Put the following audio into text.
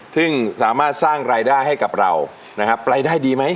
ซึ่งสามารถสร้างรายได้ให้กับเรานะครับรายได้ดีไหม